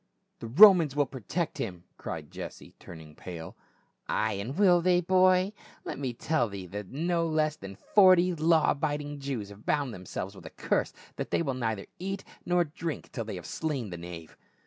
"The Romans will protect him !" cried Jesse, turn ing pale. " Ay, and will they, boy ? Let me tell thee that no less than forty law abiding Jews have bound them selves with a curse that they will neither eat nor drink till they have slain the knave."